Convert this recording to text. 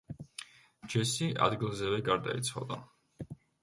ჯესი ადგილზევე გარდაიცვალა.